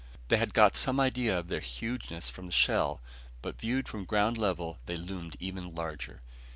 They had got some idea of their hugeness from the shell, but viewed from ground level they loomed even larger.